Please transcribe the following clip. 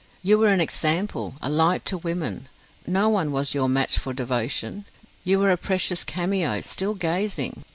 You were an example, a light to women: no one was your match for devotion. You were a precious cameo, still gazing!